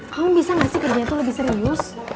kamu bisa gak sih kerjanya tuh lebih serius